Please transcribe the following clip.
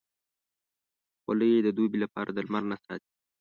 خولۍ د دوبې لپاره د لمر نه ساتي.